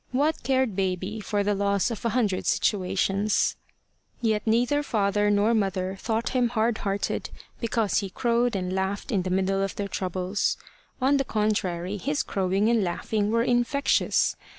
What cared baby for the loss of a hundred situations? Yet neither father nor mother thought him hard hearted because he crowed and laughed in the middle of their troubles. On the contrary, his crowing and laughing were infectious.